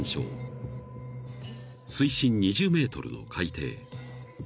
［水深２０ｍの海底］